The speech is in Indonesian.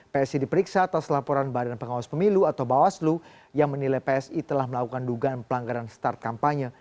psi diperiksa atas laporan badan pengawas pemilu atau bawaslu yang menilai psi telah melakukan dugaan pelanggaran start kampanye